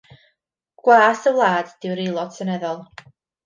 Gwas y wlad ydyw'r aelod Seneddol.